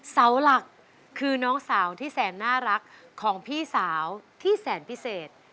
เสาหลักคือน้องสาวที่แสนน่ารักของพี่สาวที่แสนพิเศษ